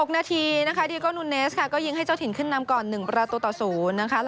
๖นาทีนะคะดีโกนุนเนสค่ะก็ยิงให้เจ้าถิ่นขึ้นนำก่อน๑ประตูต่อ๐นะคะ